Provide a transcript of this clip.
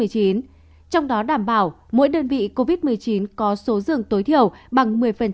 trong đó đảm bảo mỗi đơn vị covid một mươi chín có số dường tối thiểu